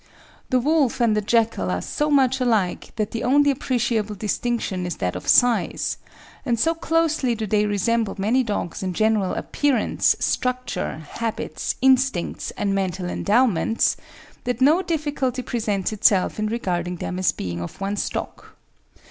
The wolf and the jackal are so much alike that the only appreciable distinction is that of size, and so closely do they resemble many dogs in general appearance, structure, habits, instincts, and mental endowments that no difficulty presents itself in regarding them as being of one stock.